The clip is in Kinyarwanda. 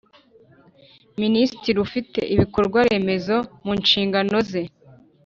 minisitiri ufite ibikorwaremezo mu nshingano ze